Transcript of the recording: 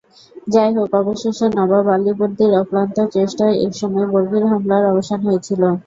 যাই হোক, অবশেষে নবাব আলীবর্দীর অক্লান্ত চেষ্টায় একসময় বর্গীর হামলার অবসান হয়েছিল।